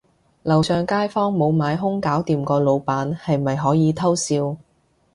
樓上街坊無買兇搞掂個老闆，係咪可以偷笑